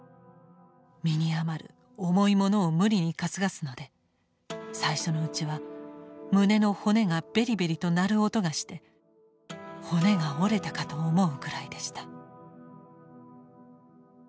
身に余る重いものを無理に担がすので最初のうちは胸の骨がベリベリとなる音がして骨が折れたかと思うくらいでした」。